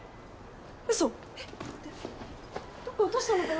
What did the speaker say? ウソえっどっか落としたのかな？